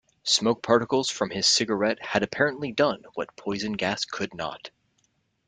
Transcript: Smoke particles from his cigarette had apparently done what poison gas could not.